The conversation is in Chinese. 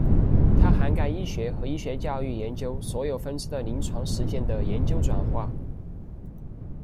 它涵盖医学和医学教育研究所有分支的临床实践的研究转化。